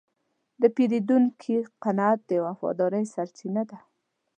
د پیرودونکي قناعت د وفادارۍ سرچینه ده.